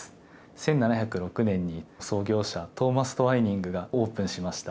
１７０６年に創業者トーマス・トワイニングがオープンしました。